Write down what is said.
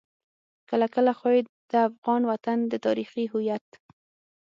کله کله خو يې د افغان وطن د تاريخي هويت.